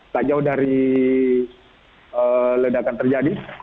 tak jauh dari ledakan terjadi